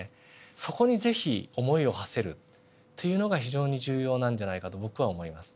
そこに是非思いをはせるっていうのが非常に重要なんじゃないかと僕は思います。